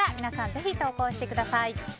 ぜひ投稿してください。